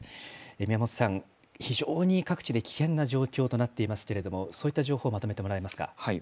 宮本さん、非常に各地で危険な状況となっていますけれども、そういった情報をまとめてもらえますか。